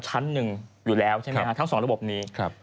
ชั้นหนึ่งอยู่แล้วใช่ไหมฮะทั้งสองระบบนี้